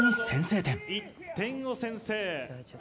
１点を先制。